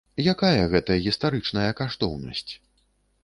Якая гэта гістарычная каштоўнасць?